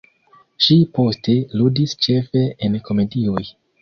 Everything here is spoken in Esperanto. Ŝi poste ludis ĉefe en komedioj.